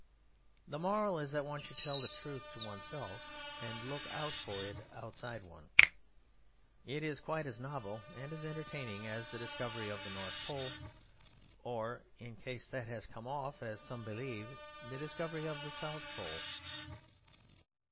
The moral is that one should tell the truth to oneself, and look out for it outside one. It is quite as novel and as entertaining as the discovery of the North Pole or, in case that has come off (as some believe), the discovery of the South Pole.